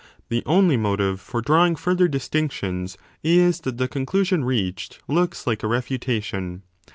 The only motive for drawing further distinctions is that the conclusion reached 40 looks like a refutation.